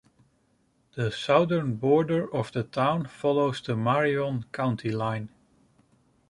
The southern border of the town follows the Marion County line.